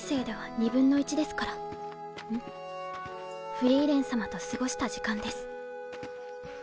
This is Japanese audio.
フリーレン様と過ごした時間です。